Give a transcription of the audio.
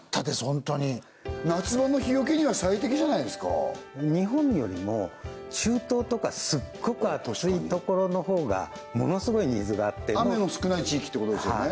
ホントに夏場の日よけには最適じゃないですか日本よりも中東とかすっごく暑いところのほうがものすごいニーズがあって雨の少ない地域ってことですよね